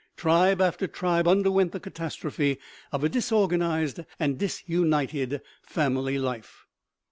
Tribe after tribe underwent the catastrophe of a disorganized and disunited family life.